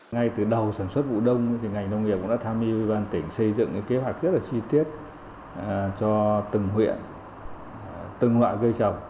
ngay từ đầu sản xuất vụ đông ngành nông nghiệp cũng đã tham mưu ủy ban tỉnh xây dựng kế hoạch rất là chi tiết cho từng huyện từng loại cây trồng